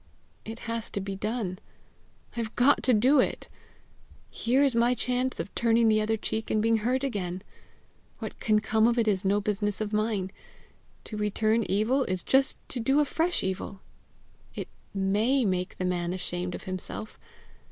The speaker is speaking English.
It has to be done! I've got to do it! Here is my chance of turning the other cheek and being hurt again! What can come of it is no business of mine! To return evil is just to do a fresh evil! It MAY make the man ashamed of himself!